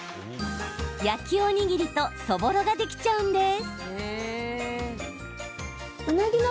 焼きおにぎりと、そぼろができちゃうんです。